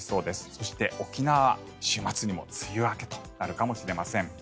そして沖縄は週末にも梅雨明けとなるかもしれません。